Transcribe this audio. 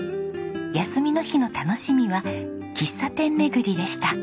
休みの日の楽しみは喫茶店巡りでした。